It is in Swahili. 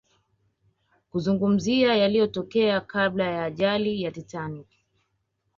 kuzungumzia yaliyotokea kabla ya ajali ya Titanic